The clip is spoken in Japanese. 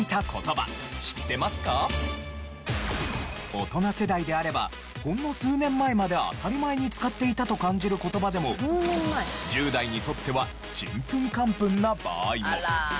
大人世代であればほんの数年前まで当たり前に使っていたと感じる言葉でも１０代にとってはちんぷんかんぷんな場合も。